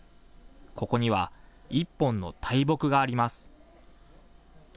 ここには１本の大木があります。